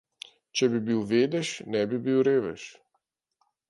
Če bi bil vedež, ne bi bil revež.